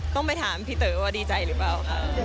ต้องไปถามพี่เต๋อว่าดีใจหรือเปล่าค่ะ